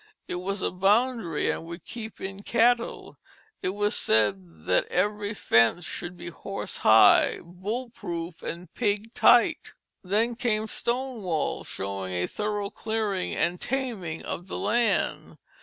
It was a boundary, and would keep in cattle. It was said that every fence should be horse high, bull proof, and pig tight. Then came stone walls, showing a thorough clearing and taming of the land.